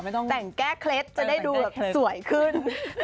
แต่งแก้เคล็ดจะได้ดูสวยขึ้น